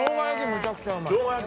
めちゃくちゃうまい。